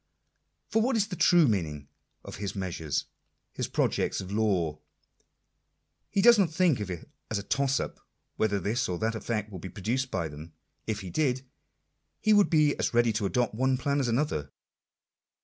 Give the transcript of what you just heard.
For what is the true meaning of his "measures "— his " projects of law" ? He does not think it a toss up whether this, or that, effect will be produced by them. If he did, he would be as ready to adopt one plan as another.